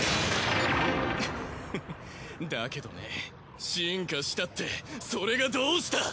フフッだけどね進化したってそれがどうした！